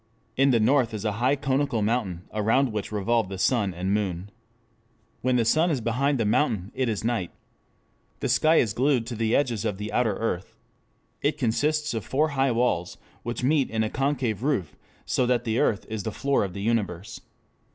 In the north is a high conical mountain around which revolve the sun and moon. When the sun is behind the mountain it is night. The sky is glued to the edges of the outer earth. It consists of four high walls which meet in a concave roof, so that the earth is the floor of the universe.